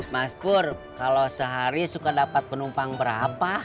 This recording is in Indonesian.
mas pur kalau sehari suka dapat penumpang berapa